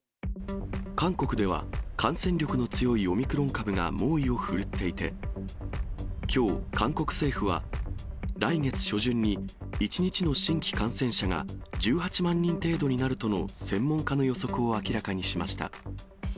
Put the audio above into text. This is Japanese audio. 韓国では、感染力の強いオミクロン株が猛威を振るっていて、きょう、韓国政府は来月初旬に、１日の新規感染者が１８万人程度になるとの専門家の予測を明らかにしました。